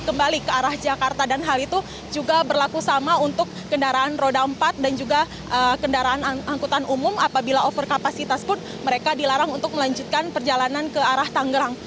kembali ke arah jakarta dan hal itu juga berlaku sama untuk kendaraan roda empat dan juga kendaraan angkutan umum apabila over kapasitas pun mereka dilarang untuk melanjutkan perjalanan ke arah tangerang